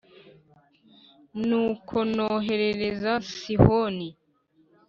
Nuko noherereza Sihoni